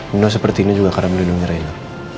mino seperti ini juga karena melindungi reina